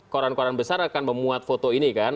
koran koran besar akan memuat foto ini kan